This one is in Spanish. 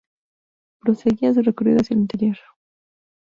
Proseguía su recorrido hacia el interior.